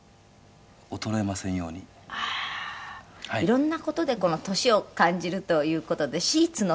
色んな事で年を感じるという事でシーツの。